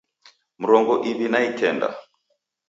Mrongo iw'i na ikenda